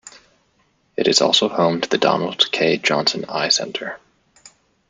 It is also home to the Donald K. Johnson Eye Centre.